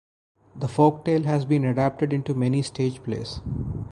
The folktale has been adapted into many stage plays.